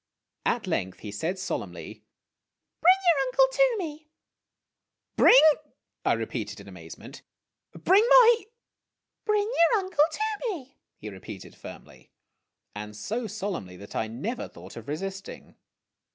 At length he said solemnly, " Bring your uncle to me !' "Bring " I repeated, in amazement, "bring my " Bring your uncle to me !" he repeated firmly, and so solemnly that I never thought of resisting.